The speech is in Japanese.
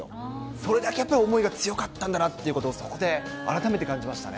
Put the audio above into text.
それだけやっぱり思いが強かったんだなというのを、そこで改めて感じましたね。